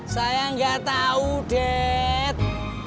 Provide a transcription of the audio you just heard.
saya nggak tahu dad